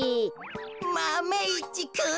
マメ１くん！